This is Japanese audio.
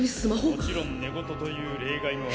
もちろん寝言という例外もあるが。